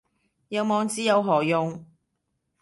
有網址有何用